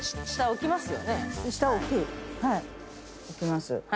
置きます。